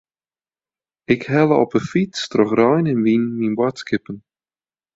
Ik helle op 'e fyts troch rein en wyn myn boadskippen.